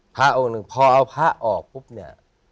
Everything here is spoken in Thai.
พระองค์หนึ่งพอเอาพระออกปุ๊บเนี่ย